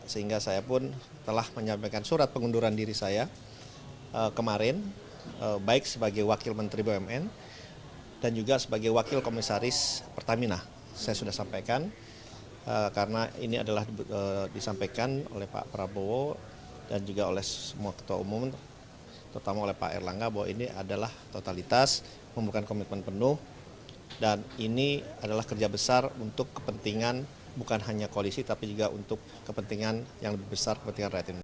saya semua ketua umum terutama oleh pak erlangga bahwa ini adalah totalitas membuat komitmen penuh dan ini adalah kerja besar untuk kepentingan bukan hanya koalisi tapi juga untuk kepentingan yang lebih besar kepentingan rakyat indonesia